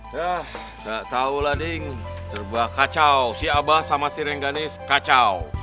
dah gak tahu lah ding serba kacau si abah sama si rengganis kacau